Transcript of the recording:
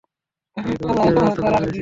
আমি তোমার বিয়ের ব্যবস্থা করে ফেলেছি।